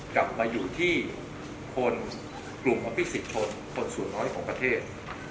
กลับมาอยู่ที่คนกลุ่มอภิษิตชนคนสูงน้อยของประเทศ